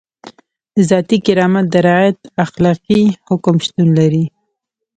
د ذاتي کرامت د رعایت اخلاقي حکم شتون لري.